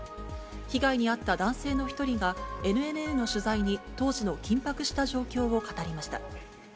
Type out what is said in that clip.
被害に遭った男性の１人が、ＮＮＮの取材に当時の緊迫した状況を語りました。